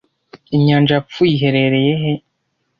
Inyanja yapfuye iherereye he